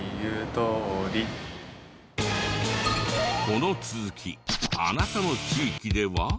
この続きあなたの地域では？